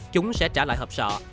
chúng sẽ trả lại hợp sọ